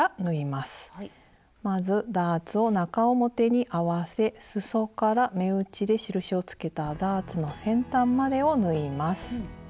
まずダーツを中表に合わせすそから目打ちで印をつけたダーツの先端までを縫います。